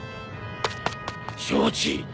承知。